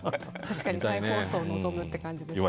確かに再放送望むって感じです。